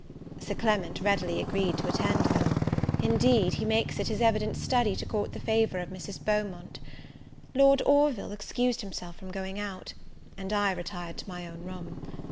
Sir Clement readily agreed to attend them; indeed, he makes it his evident study to court the favour of Mrs. Beaumont. Lord Orville excused himself from going out; and I retired to my own room.